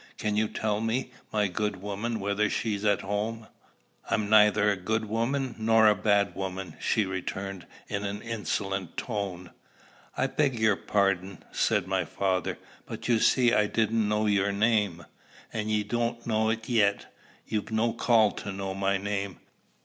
"Can you tell me, my good woman, whether she's at home?" "I'm neither good woman nor bad woman," she returned in an insolent tone. "I beg your pardon," said my father; "but you see I didn't know your name." "An' ye don't know it yet. You've no call to know my name.